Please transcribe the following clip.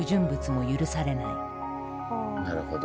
なるほど。